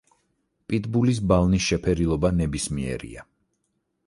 პიტ ბულის ბალნის შეფერილობა ნებისმიერია.